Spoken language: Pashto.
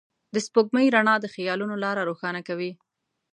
د سپوږمۍ رڼا د خيالونو لاره روښانه کوي.